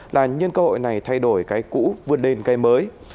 là nhân cơ hội này thay đổi cái cũ vươn lên cái mới